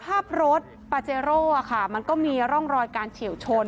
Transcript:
ภาพรถปาเจโร่มันก็มีร่องรอยการเฉียวชน